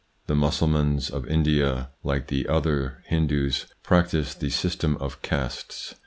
The Mussulmans of India, like the other Hindoos, practise the system of castes.